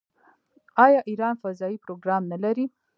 آیا ایران فضايي پروګرام نلري؟